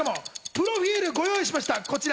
プロフィルをご用意しました。